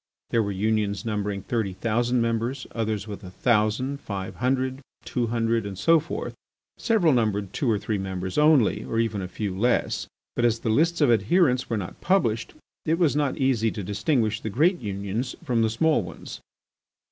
There were unions numbering thirty thousand members, others with a thousand, five hundred, two hundred, and so forth. Several numbered two or three members only, or even a few less. But as the lists of adherents were not published, it was not easy to distinguish the great unions from the small ones.